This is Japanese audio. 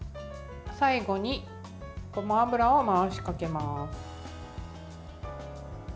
最後に、ごま油を回しかけます。